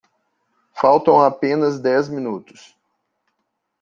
Faltam apenas dez minutos